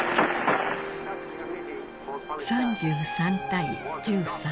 ３３対１３。